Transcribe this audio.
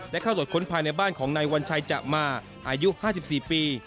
เข้าตรวจค้นภายในบ้านของนายวัญชัยจะมาอายุ๕๔ปี